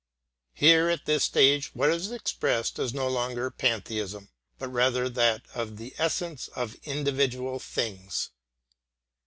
Here, at this stage, what is expressed is no longer pantheism; but rather that of the essence in individual things.